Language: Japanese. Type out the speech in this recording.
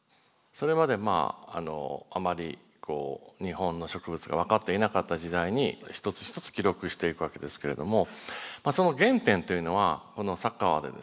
それまであまり日本の植物が分かっていなかった時代に一つ一つ記録していくわけですけれどもその原点というのはこの佐川でですね